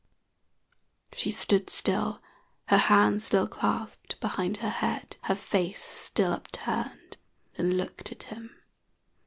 She stood still, her hands still clasped behind her head, her face still upturned, and looked at him.